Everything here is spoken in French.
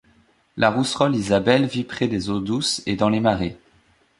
La rousserolle isabelle vit près des eaux douces et dans les marais.